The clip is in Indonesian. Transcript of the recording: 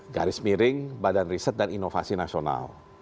garis miring badan riset dan inovasi nasional